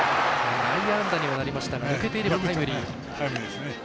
内野安打にはなりましたが抜けていればタイムリー。